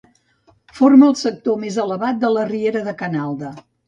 Forma el sector més elevat de la riera de Canalda.